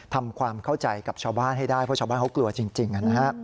ทำความเข้าใจกับชาวบ้านให้ได้เพราะชาวบ้านเขากลัวจริง